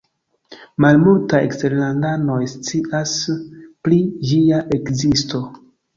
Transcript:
Malmultaj eksterlandanoj scias pri ĝia ekzisto.